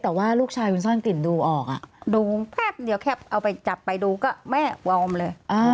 แต่ว่าลูกชายคุณซ่อนกลิ่นดูออกดูแป๊บเดียวแค่เอาไปจับไปดูก็แม่วอร์มเลย